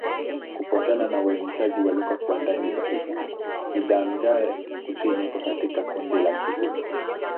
Kufuatana na uainishaji wa lugha kwa ndani zaidi, Kidagaare-Kusini iko katika kundi la Kigur.